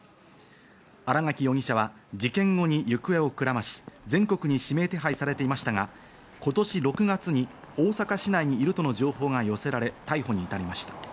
新垣容疑者は事件後に行方をくらまし、全国に指名手配されていましたが、今年６月に大阪市内にいるとの情報が寄せられ、逮捕に至りました。